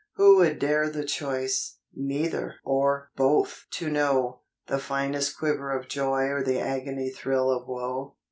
Who would dare the choice, neither or both to know, The finest quiver of joy or the agony thrill of woe